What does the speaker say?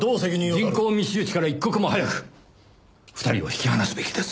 人口密集地から一刻も早く２人を引き離すべきです。